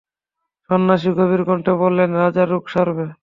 সন্ন্যাসী গভীর কণ্ঠে বললেন, রাজার রোগ সারবে।